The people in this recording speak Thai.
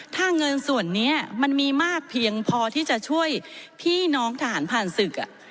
ถ้าเงินส่วนนี้มันมีมากเพียงพอที่จะช่วยพี่น้องทหารผ่านศึก